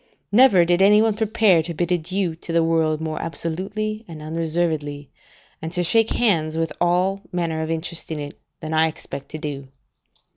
Never did any one prepare to bid adieu to the world more absolutely and unreservedly, and to shake hands with all manner of interest in it, than I expect to do.